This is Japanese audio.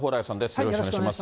よろしくお願いします。